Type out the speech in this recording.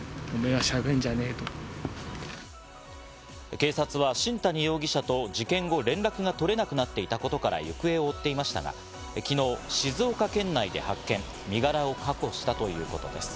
警察は新谷容疑者と事件後、連絡が取れなくなっていたことから行方を追っていましたが、昨日、静岡県内で発見、身柄を確保したということです。